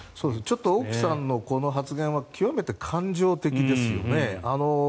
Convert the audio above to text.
王毅さんのこの発言は極めて感情的ですよね。